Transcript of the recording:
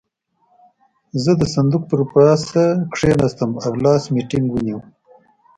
زه د صندوق پر پاسه کېناستم او لاس مې ټينګ ونيو.